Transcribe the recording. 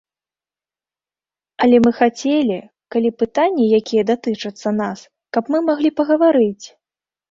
Але мы хацелі, калі пытанні, якія датычацца нас, каб мы маглі пагаварыць.